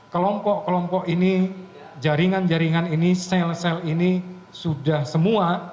kelompok kelompok ini jaringan jaringan ini sel sel ini sudah semua